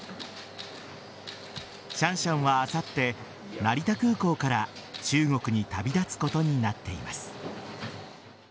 シャンシャンはあさって、成田空港から中国に旅立つことになっています。